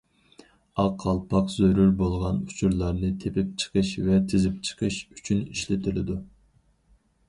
ئاق قالپاق زۆرۈر بولغان ئۇچۇرلارنى تېپىپ چىقىش ۋە تىزىپ چىقىش ئۈچۈن ئىشلىتىلىدۇ.